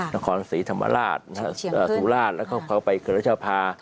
นครศรีธรรมราชสุราชแล้วก็เขาไปเกิดรัชภา